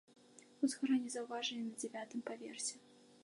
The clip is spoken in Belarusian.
Узгаранне заўважылі на дзявятым паверсе.